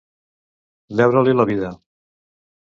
Deure-li la vida.